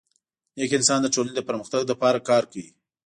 نیک انسان د ټولني د پرمختګ لپاره کار کوي.